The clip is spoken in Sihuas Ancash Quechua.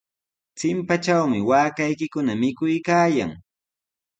Chimpatrawmi waakaykikuna mikuykaayan.